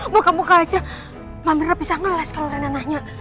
buka buka aja mbak mera bisa ngeles kalau reina nanya